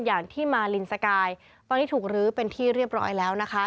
อย่างที่มาลินสกายตอนนี้ถูกลื้อเป็นที่เรียบร้อยแล้วนะคะ